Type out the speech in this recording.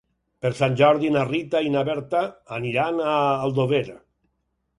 Per Sant Jordi na Rita i na Berta aniran a Aldover.